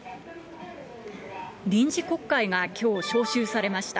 臨時国会がきょう召集されました。